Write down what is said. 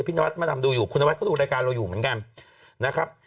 นวัดมาดำดูอยู่คุณนวัดเขาดูรายการเราอยู่เหมือนกันนะครับ